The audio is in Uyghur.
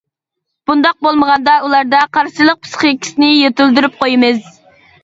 بۇنداق بولمىغاندا، ئۇلاردا قارشىلىق پىسخىكىسىنى يېتىلدۈرۈپ قويىمىز.